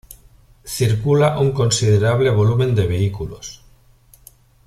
Circula un considerable volumen de vehículos.